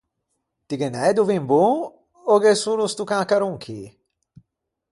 Ti ghe n’æ do vin bon, ò gh’é solo sto cancaron chì?